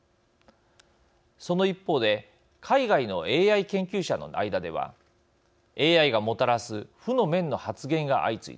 その一方で海外のＡＩ研究者の間ではＡＩがもたらす負の面の発言が相次いでいます。